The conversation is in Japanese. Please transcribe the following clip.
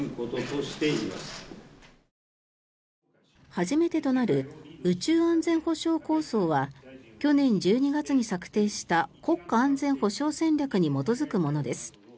初めてとなる宇宙安全保障構想は去年１２月に策定した国家安全保障戦略に基づくものです。